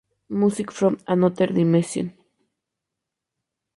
Music from Another Dimension!